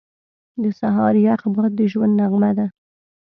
• د سهار یخ باد د ژوند نغمه ده.